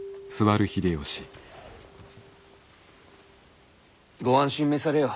ご安心召されよ。